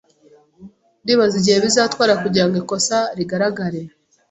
Ndibaza igihe bizatwara kugirango ikosa rigaragare